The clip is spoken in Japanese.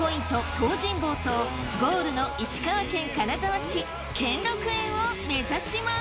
東尋坊とゴールの石川県金沢市兼六園を目指します。